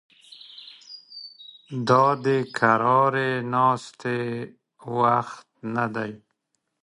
دا د قرارې ناستې وخت نه دی